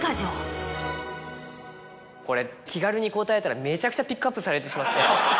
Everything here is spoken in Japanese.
気軽に答えたらめちゃくちゃピックアップされてしまって。